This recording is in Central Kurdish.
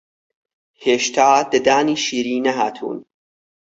هێشتا ددانی شیری نەهاتوون